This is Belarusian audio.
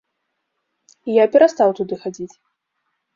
І я перастаў туды хадзіць.